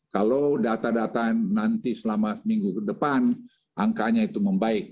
kalau data data nanti selama seminggu ke depan angkanya itu membaik